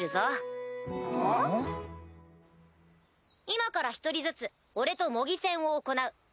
今から１人ずつ俺と模擬戦を行う。